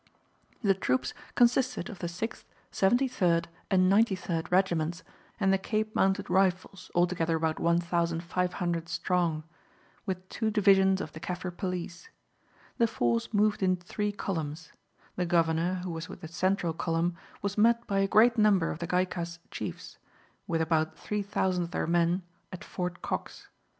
The troops consisted of the 6th, 73rd, and 93rd Regiments and the Cape Mounted Rifles, altogether about 1,500 strong, with two divisions of the Kaffir police. The force moved in three columns. The Governor, who was with the central column, was met by a great number of the Gaikas chiefs, with about 3,000 of their men, at Fort Cox.